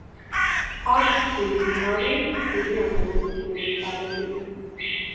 აქვთ დიდი თავი, დიდი, ამობურცული თვალები.